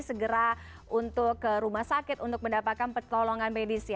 segera untuk ke rumah sakit untuk mendapatkan pertolongan medis